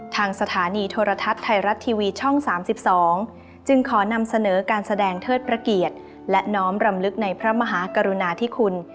ทางสถานีโทรทัศน์ไทยรัฐทีวีช่อง๓๒จึงขอนำเสนอการแสดงเทิดประเกียรติและน้อมรำลึกในพระมหากรุณาธิคุณ